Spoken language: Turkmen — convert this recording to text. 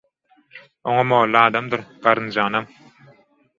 Оňa mоlla adamdyr garynjanam